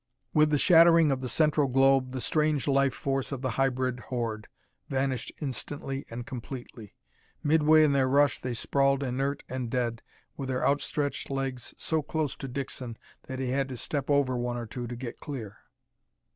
With the shattering of the central globe the strange life force of the hybrid horde vanished instantly and completely. Midway in their rush they sprawled inert and dead, with their outstretched legs so close to Dixon that he had to step over one or two to get clear.